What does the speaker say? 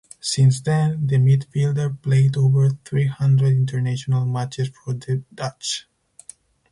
Since then the midfielder played over three hundred international matches for the Dutch.